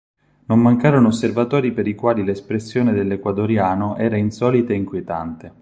Non mancarono osservatori per i quali l'espressione dell'ecuadoriano era insolita e inquietante.